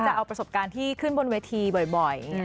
จะเอาประสบการณ์ที่ขึ้นบนเวทีบ่อย